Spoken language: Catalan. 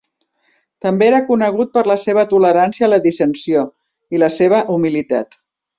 També era conegut per la seva tolerància a la dissensió i la seva humilitat.